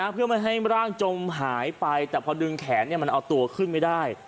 เพื่อไม่ให้ร่างจมหายไปแต่พอดึงแขนมันเอาตัวขึ้นไม่ได้